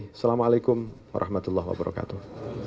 assalamu'alaikum warahmatullahi wabarakatuh